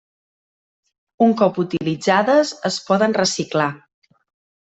Un cop utilitzades es poden reciclar.